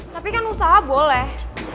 tapi kan usaha boleh